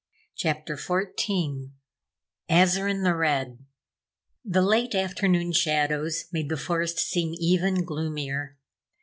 CHAPTER 14 Azarine the Red The late afternoon shadows made the forest seem even gloomier.